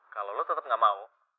kalo lo tetep gak mau